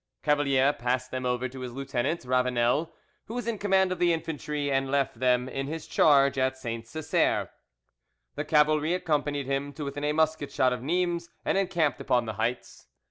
Cavalier passed them over to his lieutenant, Ravanel, who was in command of the infantry, and left them in his charge at Saint Cesaire. The cavalry accompanied him to within a musket shot of Nimes, and encamped upon the heights.